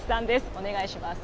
お願いします。